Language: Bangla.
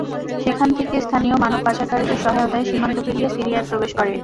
সেখান থেকে স্থানীয় মানব পাচারকারীদের সহায়তায় সীমান্ত পেরিয়ে সিরিয়ায় প্রবেশ করে।